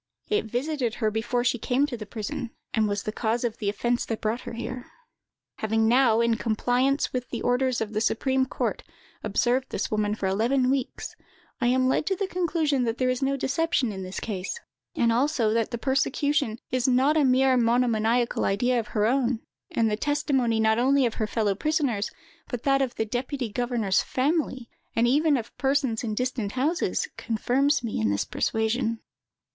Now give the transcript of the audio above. It visited her before she came to the prison, and was the cause of the offence that brought her here. Having now, in compliance with the orders of the supreme court, observed this woman for eleven weeks, I am led to the conclusion that there is no deception in this case, and also that the persecution is not a mere monomaniacal idea of her own, and the testimony not only of her fellow prisoners, but that of the deputy governor's family, and even of persons in distant houses, confirms me in this persuasion.